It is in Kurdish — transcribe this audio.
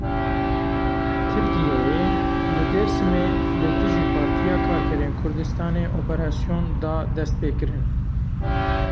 Tirkiyeyê li Dêrsimê li dijî Partiya Karkerên Kurdistanê operasyon da destpêkirin.